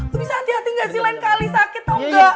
lu bisa hati hati enggak sih lain kali sakit yg tau gak